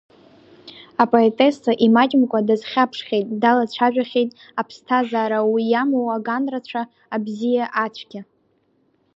Апоетесса имаҷымкәа дазхьаԥшхьеит, далацәажәахьеит аԥсҭазаара, уи иамоу аган рацәа, абзиа-ацәгьа.